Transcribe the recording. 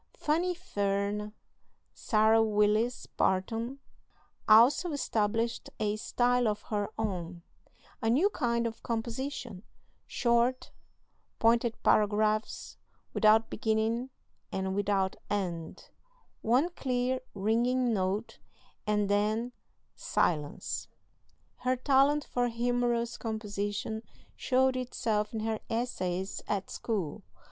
Fanny Fern (Sarah Willis Parton) also established a style of her own "a new kind of composition; short, pointed paragraphs, without beginning and without end one clear, ringing note, and then silence." Her talent for humorous composition showed itself in her essays at school.